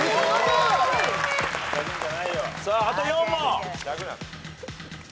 さああと４問。